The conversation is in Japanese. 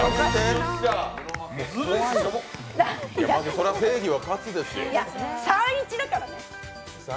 そりゃ、正義は勝つでしょう３対１だから。